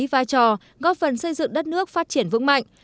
vai trò góp phần xây dựng đất nước phát triển vững mạnh